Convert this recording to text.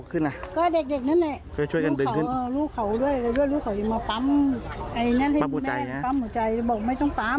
เขาเป็นคนยังไง